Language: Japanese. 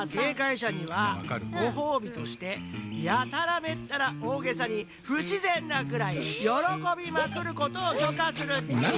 しゃにはごほうびとしてやたらめったらおおげさにふしぜんなくらいよろこびまくることをきょかするっち。